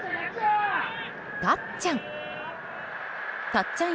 たっちゃん。